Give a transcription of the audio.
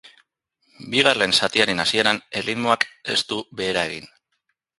Bigarren zatiaren hasieran erritmoak ez du behera egin.